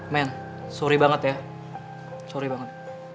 man sorry banget ya sorry banget